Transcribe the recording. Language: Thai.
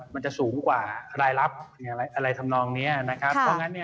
มันจะสูงกว่ารายลับอะไรทำนองนี้นะครับ